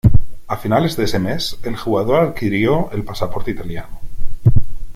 A finales de ese mes, el jugador adquirió el pasaporte italiano.